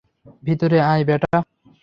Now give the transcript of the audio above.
ভিতরে আয়, ব্যাটা।